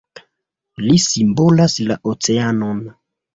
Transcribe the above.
Li simbolas la oceanon.